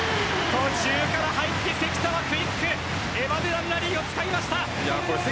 途中から入って関田はクイックエバデダン・ラリーを使いました。